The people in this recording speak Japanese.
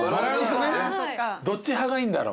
どっち派がいいんだろう。